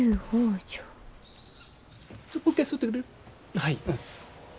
はい。